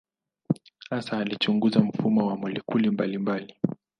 Hasa alichunguza mfumo wa molekuli mbalimbali.